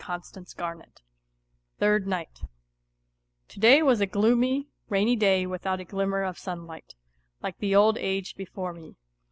WHITE NIGHTS 33 THIRD NIGHT TO DAY was a gloomy, rainy day without a glimmer of sunlight, like the old age before me.